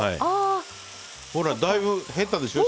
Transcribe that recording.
ほら、だいぶ減ったでしょ。